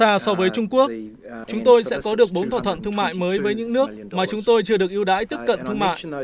ngoài so với trung quốc chúng tôi sẽ có được bốn thỏa thuận thương mại mới với những nước mà chúng tôi chưa được ưu đãi tiếp cận thương mại